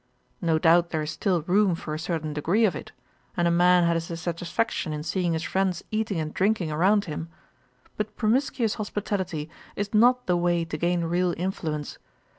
No doubt there is still room for a certain degree of it; and a man has a satisfaction in seeing his friends eating and drinking around him. But promiscuous hospitality is not the way to gain real influence.